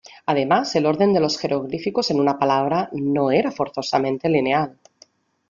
Además, el orden de los jeroglíficos en una palabra, no era forzosamente lineal.